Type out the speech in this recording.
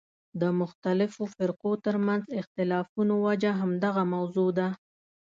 د مختلفو فرقو ترمنځ اختلافونو وجه همدغه موضوع ده.